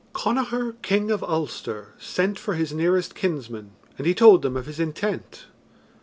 Connachar, King of Ulster, sent for his nearest kinsmen, and he told them of his intent.